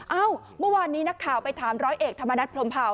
เอ้าเมื่อวานนี้นักข่าวไปถามร้อยเอกธรรมนัฐพรมเผา